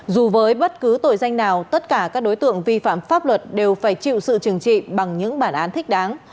dù với bất cứ tội danh nào tất cả các đối tượng vi phạm pháp luật đều phải chịu sự trừng trị bằng những bản án thích đáng